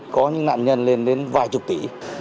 có những nạn nhân lên đến vài chục tỷ